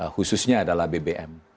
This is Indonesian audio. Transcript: khususnya adalah bbm